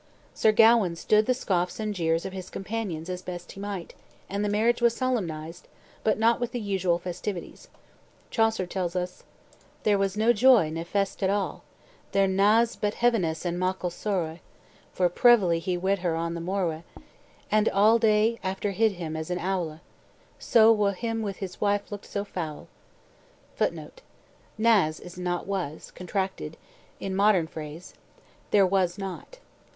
Sir Gawain stood the scoffs and jeers of his companions as he best might, and the marriage was solemnized, but not with the usual festivities. Chaucer tells us: "... There was no joye ne feste at alle; There n' as but hevinesse and mochel sorwe, For prively he wed her on the morwe, And all day after hid him as an owle, So wo was him his wife loked so foule!" [Footnote: N'AS is NOT WAS, contracted; in modern phrase, THERE WAS NOT.